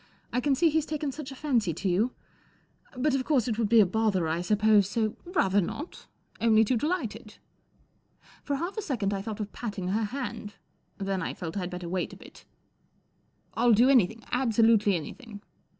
I can see he's taken such a fancy to you. But, of course, it would be a bother, I suppose, so "' Rather not. Only too delighted." For half a second I thought of patting her hand, then I felt I'd better wait a bit. ' I'll do anything, absolutely anything."